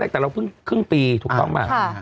แต่เราเพิ่งครึ่งปีถูกต้องไหม